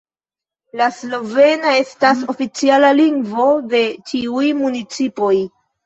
La slovena estas oficiala lingvo de ĉiuj municipoj.